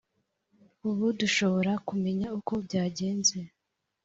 ubu dushobora kumenya uko byagenze!